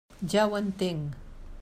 Ja ho entenc.